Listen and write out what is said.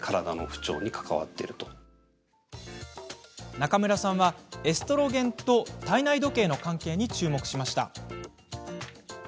中村さんはエストロゲンと体内時計の関係に注目しました。